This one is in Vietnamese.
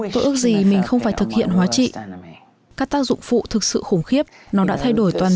tôi ước gì mình không phải thực hiện hóa trị các tác dụng phụ thực sự khủng khiếp nó đã thay đổi toàn